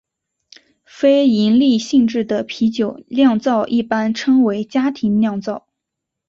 非营利性质的啤酒酿造一般称为家庭酿造。